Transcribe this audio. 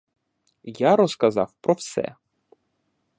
Я розказав про все.